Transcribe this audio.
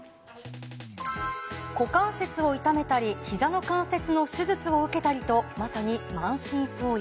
股関節を痛めたりひざの関節の手術を受けたりとまさに満身創痍。